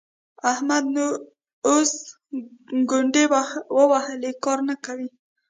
احمد نو اوس ګونډې ووهلې؛ کار نه کوي.